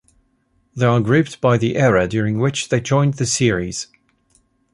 They are grouped by the era during which they joined the series.